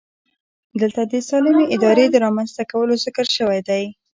دلته د سالمې ادارې د رامنځته کولو ذکر شوی دی.